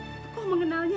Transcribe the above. bagaimana kamu mengenalnya